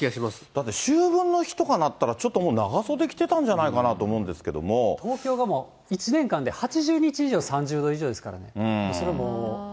だって秋分の日とかになったら、ちょっともう長袖着てたんじ東京がもう、１年間で８０日以上３０度以上ですからね。